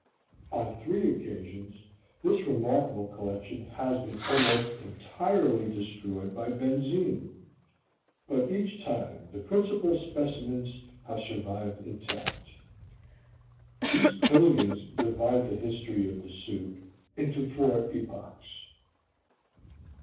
On three occasions this remarkable collection has been almost entirely destroyed by benzine, but each time the principal specimens have survived intact. These cleanings divide the history of the suit into four epochs.